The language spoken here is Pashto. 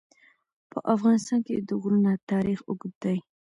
په افغانستان کې د غرونه تاریخ اوږد دی.